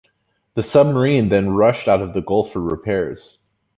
The submarine then rushed out of the Gulf for repairs.